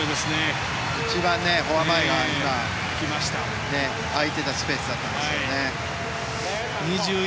一番、フォア周りが空いてたスペースだったんですね。